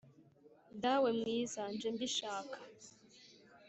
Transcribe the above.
Dawe mwiza nje mbishaka